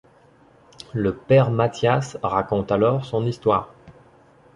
Le père Matthias raconte alors son histoire.